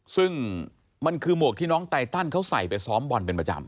ซึ่งมันคือหมวกที่น้องไตตันเขาใส่ไปซ้อมบอลเป็นประจำ